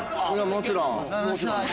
もちろん。